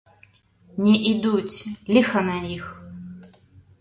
Не ідуць, ліха на іх!